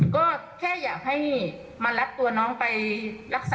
โทรมาแล้วก็เงียบโทรมาแล้วก็เงียบค่ะ